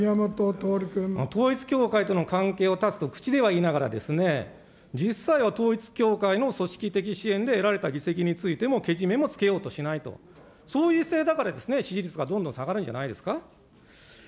統一教会との関係を断つと口では言いながらですね、実際は統一教会の組織的支援で得られた議席についても、けじめもつけようとしないと、そういう姿勢だからですね、支持率がどんどん下がるんじゃないですか。